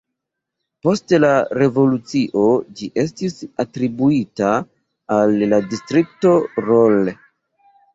Post la revolucio ĝi estis atribuita al la Distrikto Rolle.